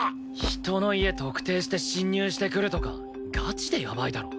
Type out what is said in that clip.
人の家特定して侵入してくるとかガチでやばいだろ。